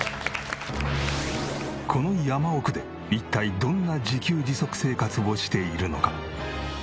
この山奥で一体どんな自給自足生活をしているのか？